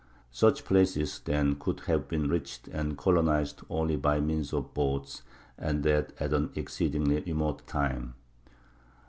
Such places, then, could have been reached and colonized only by means of boats, and that at an exceedingly remote time.